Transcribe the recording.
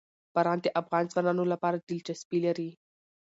باران د افغان ځوانانو لپاره دلچسپي لري.